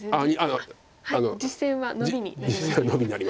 実戦はノビになりました。